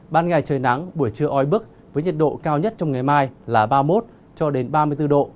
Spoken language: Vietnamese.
ban ngày trời nắng buổi trưa oi bức với nhiệt độ cao nhất trong ngày mai là ba mươi một cho đến ba mươi bốn độ